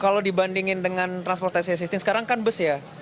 kalau dibandingkan dengan transportasi asisting sekarang kan bus ya